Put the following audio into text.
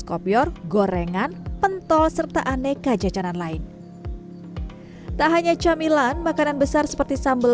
kopior gorengan pentol serta aneka jajanan lain tak hanya camilan makanan besar seperti sambal